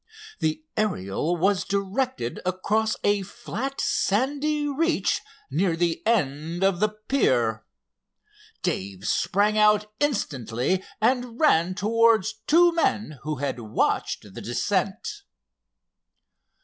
The Ariel was directed across a flat sandy reach near the end of the pier. Dave sprang out instantly and ran towards two men who had watched the descent.